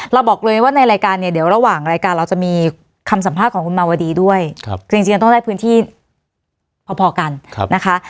เราบอกเลยว่าในรายการเนี่ยเดี๋ยวระหว่างรายการเราจะมีคำสัมภาษณ์ของคุณมาวดีด้วยคือจริงต้องได้พื้นที่พอกันนะคะ